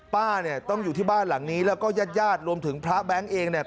ป้าเนี่ยต้องอยู่ที่บ้านหลังนี้แล้วก็ญาติญาติรวมถึงพระแบงค์เองเนี่ย